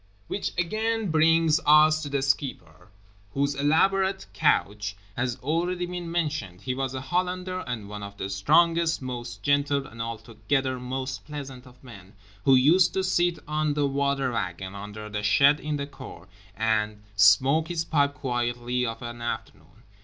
Which again brings us to the Skipper, whose elaborate couch has already been mentioned—he was a Hollander and one of the strongest, most gentle and altogether most pleasant of men, who used to sit on the water wagon under the shed in the cour and smoke his pipe quietly of an afternoon.